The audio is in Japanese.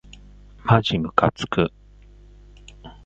まじむかつく